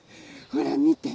ほらみて！